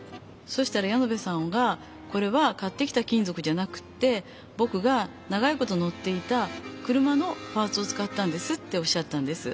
そしたらヤノベさんが「これは買ってきた金ぞくじゃなくてぼくが長いことのっていた車のパーツをつかったんです」っておっしゃったんです。